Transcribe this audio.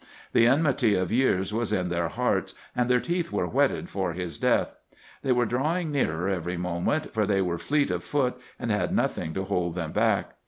The enmity of years was in their hearts and their teeth were whetted for his death. They were drawing nearer every moment, for they were fleet of foot and had nothing to hold them back.